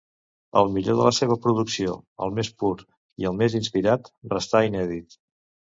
El millor de la seva producció, el més pur i el més inspirat, restà inèdit.